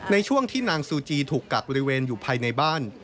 ในช่วงที่นางซูจีถูกกักบริเวณอยู่ภายในบ้าน